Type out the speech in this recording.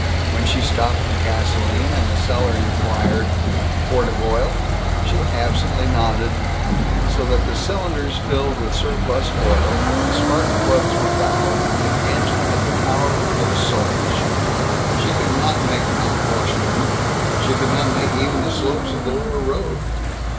When she stopped for gasoline, and the seller inquired, "Quart of oil?" she absently nodded. So the cylinders filled with surplus oil, the spark plugs were fouled, and the engine had the power of a sewing machine. She could not make Mount Washburn she could not make even the slopes of the lower road.